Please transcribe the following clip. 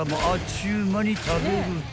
ちゅう間に食べると］